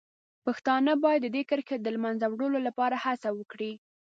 پښتانه باید د دې کرښې د له منځه وړلو لپاره هڅه وکړي.